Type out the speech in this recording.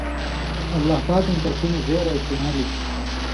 اللہ پاکَیں طرفی نہ زېرئ ݜُون٘یالیۡ